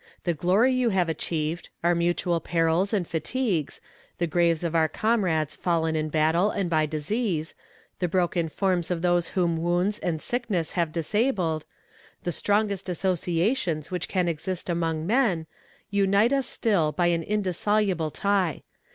The glory you have achieved, our mutual perils and fatigues, the graves of our comrades fallen in battle and by disease, the broken forms of those whom wounds and sickness have disabled the strongest associations which can exist among men unite us still by an indissoluble tie.